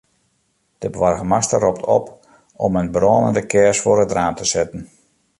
De boargemaster ropt op om in brânende kears foar it raam te setten.